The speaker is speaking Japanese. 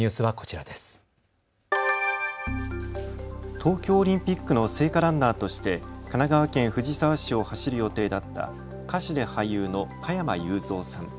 東京オリンピックの聖火ランナーとして神奈川県藤沢市を走る予定だった歌手で俳優の加山雄三さん。